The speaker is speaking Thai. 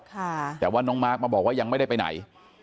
แต่ว่าน้องมาร์คมาบอกว่ายังไม่ได้ไปไหน